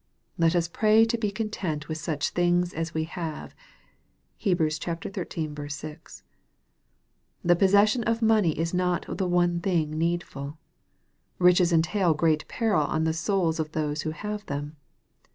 Let us pray to be " content with such things as we have." (Heb. xiii. 6.) The possession of money is not the one thing needful. Riches entail great peril on the souls of those who have them.